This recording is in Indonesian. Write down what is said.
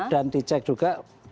dan dicek juga